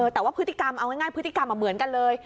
แต่ว่าพฤติกรรมเอาง่ายพฤติกรรมเหมือนกันเลย